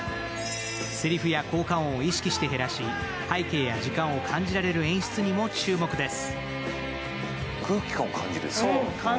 せりふや効果音を意識して減らし背景や時間を感じられる演出にも注目です。